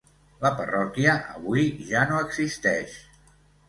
La parròquia avui ja no existeix.